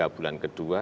tiga bulan kedua